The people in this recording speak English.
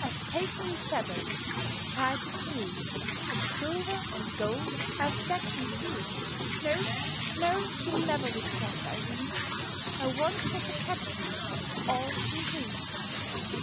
_"] I've taken me feathers of brightest hue, With silver and gold I have decked me too: No, no! you never would guess, I ween, I once was a Caterpillar all in green.